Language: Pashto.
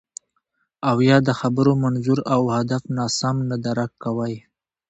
او یا د خبرو منظور او هدف ناسم نه درک کوئ